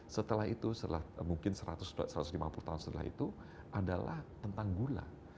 setelah itu mungkin satu ratus lima puluh tahun setelah itu adalah tentang gula